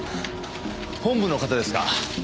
本部の方ですか？